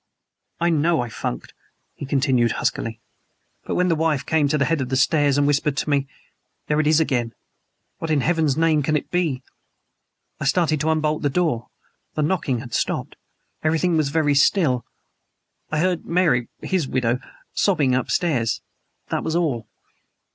"I know I funked," he continued huskily. "But when the wife came to the head of the stairs and whispered to me: 'There it is again. What in heaven's name can it be' I started to unbolt the door. The knocking had stopped. Everything was very still. I heard Mary HIS widow sobbing, upstairs; that was all.